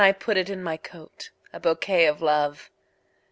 put it in my coat,A bouquet of Love!